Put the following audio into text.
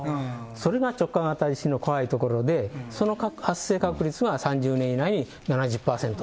それが直下型地震の怖いところで、その発生確率が３０年以内に７０％。